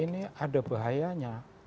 ini ada bahayanya